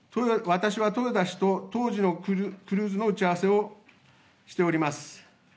私は豊田氏と当時のクルーズの打ち合わせをしております。